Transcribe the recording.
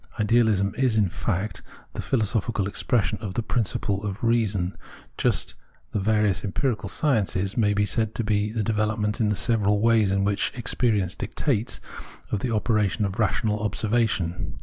Idealism is in fact the philosophical expression of the principle of reason, just as the various empirical sciences may be said to be the development, in the several ways which experience dictates, of the operation of rational observation.